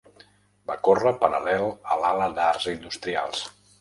Va córrer paral·lel a l'ala d'arts industrials.